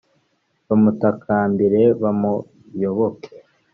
bamutakambire bamuyoboke